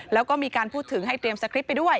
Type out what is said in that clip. แล้วก็มีการพูดถึงให้เตรียมสคริปต์ไปด้วย